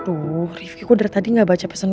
aduh rifky gue udah tadi ga baca pesan pesan lo